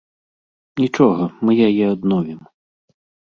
Нічога, мы яе адновім.